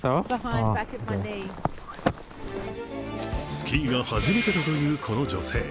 スキーが初めてだというこの女性。